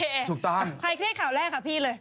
โอเคถูกต้อนคลายเครียดข่าวแรกค่ะพี่เลย